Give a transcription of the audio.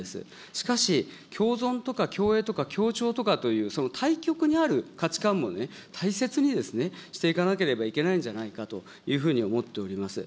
しかし、共存とか共栄とか協調とかという、たいきょくにある価値観も大切にしていかなければいけないんじゃないかというふうに思っております。